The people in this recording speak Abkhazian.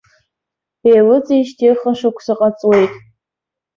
Еилыҵижьҭеи хышықәсаҟа ҵуеит.